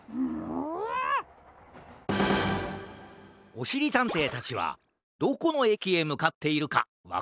おしりたんていたちはどこのえきへむかっているかわかるかな？